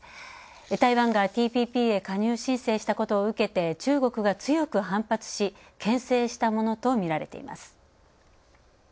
台湾がＴＰＰへ加入申請したことを受けて中国が強く反発し、けん制したものとみられています。